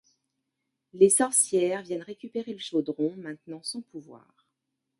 Les sorcières viennent récupérer le chaudron, maintenant sans pouvoir.